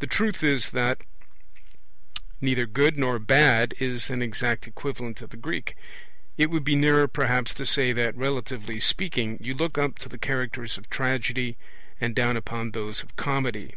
The truth is that neither 'good' nor 'bad' is an exact equivalent of the Greek. It would be nearer perhaps to say that, relatively speaking, you look up to the characters of tragedy, and down upon those of comedy.